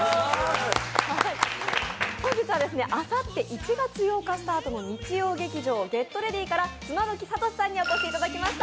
本日はあさって１月８日スタートの日曜劇場「ＧｅｔＲｅａｄｙ！」から妻夫木聡さんにお越しいただきました。